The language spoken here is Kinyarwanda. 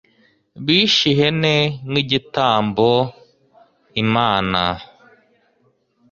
Bishe ihene nkigitambo Imana.